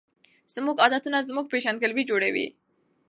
زموږ عادتونه زموږ پیژندګلوي جوړوي.